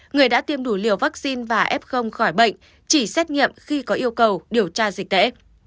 người đã tiêm đủ liều vaccine và f khỏi bệnh chỉ xét nghiệm khi có yêu cầu điều tra dịch tễ